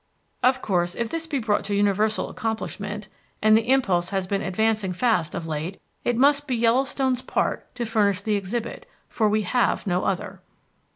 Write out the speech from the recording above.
Of course if this be brought to universal accomplishment (and the impulse has been advancing fast of late), it must be Yellowstone's part to furnish the exhibit, for we have no other.